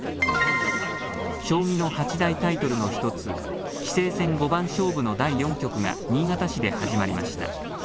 将棋の八大タイトルの１つ、棋聖戦五番勝負の第４局が新潟市で始まりました。